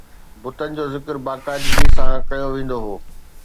بتن جو ذڪر باقاعدگي سان ڪيو ويندو هو